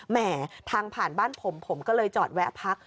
แห่ทางผ่านบ้านผมผมก็เลยจอดแวะพัก